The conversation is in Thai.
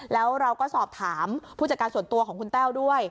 แล้วเราก็สอบถามผู้จัดการส่วนตัวของคุณแต้วด้วย